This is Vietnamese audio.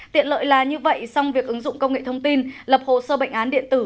tiện lợi là như vậy song việc ứng dụng công nghệ thông tin lập hồ sơ bệnh án điện tử